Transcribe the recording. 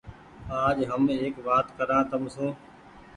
آج هم ايڪ وآت ڪريآن تم سون ۔